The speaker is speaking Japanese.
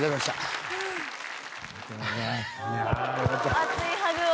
熱いハグを。